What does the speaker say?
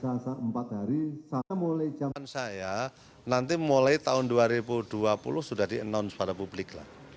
kemenristek dikti berkata kesehatan saya nanti mulai tahun dua ribu dua puluh sudah dienons pada publik